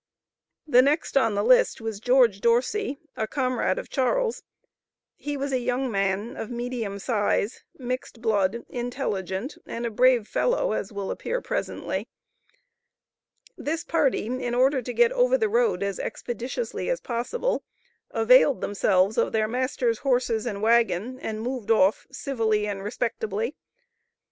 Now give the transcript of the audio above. The next on the list was George Dorsey, a comrade of Charles. He was a young man, of medium size, mixed blood, intelligent, and a brave fellow as will appear presently. This party in order to get over the road as expeditiously as possible, availed themselves of their master's horses and wagon and moved off civilly and respectably.